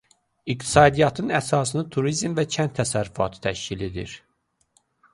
İqtisadiyyatın əsasını turizm və kənd təsərrüfatı təşkil edir.